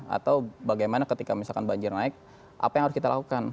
atau bagaimana ketika misalkan banjir naik apa yang harus kita lakukan